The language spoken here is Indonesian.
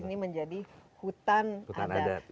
ini menjadi hutan adat